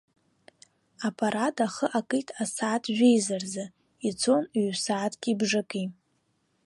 Апарад ахы акит асааҭ жәеиза рзы, ицон ҩ-сааҭки бжаки.